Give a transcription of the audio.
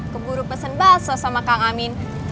keburu pesen baso sama kang aminah